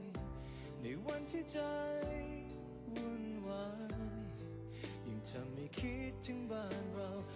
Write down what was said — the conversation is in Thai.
ในวันที่ใจวุ่นวายยังทำให้คิดถึงบ้านเรา